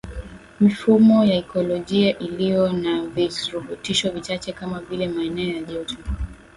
mifumo ya ikolojia iliyo na virutubishi vichache kama vile maeneo ya joto